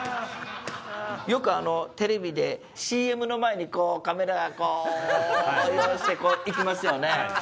よくテレビでＣＭの前にカメラがこうしてこう行きますよね。